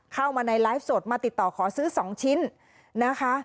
เข้ามาในไลฟ์สดมาติดต่อขอซื้อ๒ชิ้นนะคะ